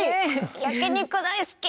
焼き肉大好き。